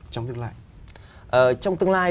trong tương lai trong tương lai